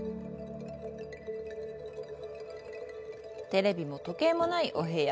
テレビも時計もないお部屋。